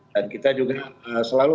dan kita juga selalu